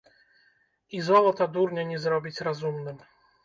І золата дурня не зробіць разумным.